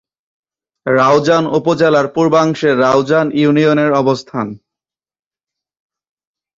রাউজান উপজেলার পূর্বাংশে রাউজান ইউনিয়নের অবস্থান।